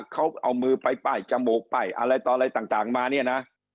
เขาเอามือไปป้ายจมูกป้ายอะไรต่ออะไรต่างมาเนี่ยนะ